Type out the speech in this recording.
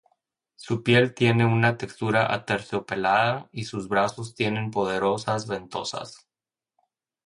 Su piel tiene una textura aterciopelada y sus brazos tienen poderosas ventosas.